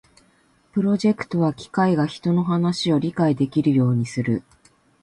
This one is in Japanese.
プロジェクトは機械が人の話を理解できるようにする